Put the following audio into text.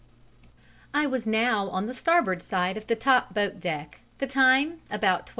I was now on the starboard side of the top boat deck; the time about 12.